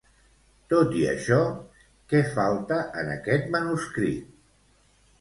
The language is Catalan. Tot i això, què falta en aquest manuscrit?